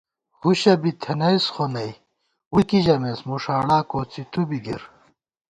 ہُشہ بی تھنَئیس خو نئ ، ووئی کی ژَمېس مُݭاڑا کوڅی تُو بی گِر